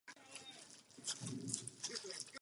Také byl hlavním mluvčím vědeckého týmu Voyager.